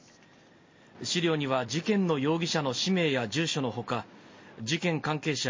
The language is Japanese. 資料には事件の容疑者の氏名や住所のほか、事件関係者